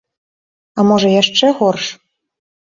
А можа яшчэ горш?